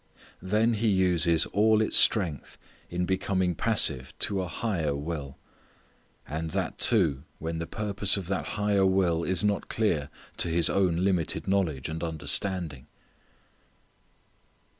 Then he uses all its strength in becoming passive to a higher will. And that too when the purpose of that higher will is not clear to his own limited knowledge and understanding.